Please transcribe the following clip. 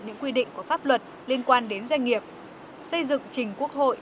những quy định của pháp luật liên quan đến doanh nghiệp xây dựng trình quốc hội